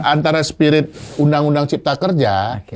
antara spirit undang undang cipta kerja